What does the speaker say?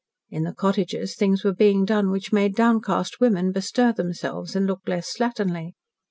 In the cottages things were being done which made downcast women bestir themselves and look less slatternly.